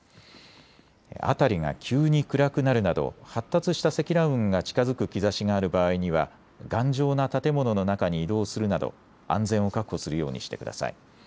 辺りが急に暗くなるなど発達した積乱雲が近づく兆しがある場合には頑丈な建物の中に移動するなど安全を確保するようにしてください。